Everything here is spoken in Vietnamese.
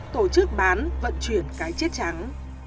tổ chức bán vận chuyển cái chiếc trắng